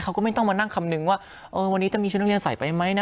เขาก็ไม่ต้องมานั่งคำนึงว่าวันนี้จะมีชุดนักเรียนใส่ไปไหมนะ